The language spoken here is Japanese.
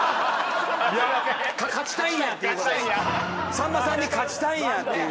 さんまさんに勝ちたいんやっていう。